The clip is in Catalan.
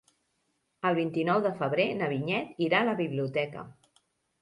El vint-i-nou de febrer na Vinyet irà a la biblioteca.